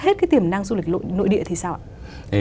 hết cái tiềm năng du lịch nội địa thì sao ạ